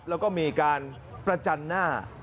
แล้วก็มีการประจันหน้า